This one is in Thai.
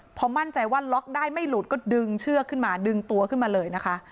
พอมั่นใจว่าล็อกได้ไม่หลุดก็ดึงเชือกขึ้นมาดึงตัวขึ้นมาเลยนะคะ